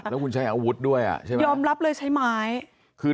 แล้วคุณใช้อาวุธด้วยอ่ะใช่ไหมยอมรับเลยใช้ไม้คือ